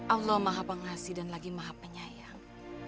allah maha pengasih dan lagi maha penyayang